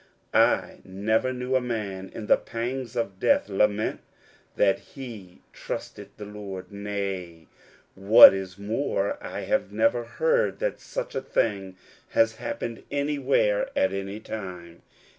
I never knew a man in the pangs of death lament that he trusted the Saviour. Nay, what is more, I have never heard that such a thing has happened any where at any time.